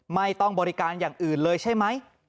ไม่ต้องบริการอย่างอื่นเลยใช่ไหม